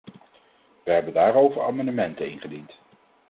Wij hebben daarover amendementen ingediend.